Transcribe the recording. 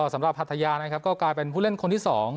สำหรับภัทยาก็กลายเป็นผู้เล่นคนที่สอง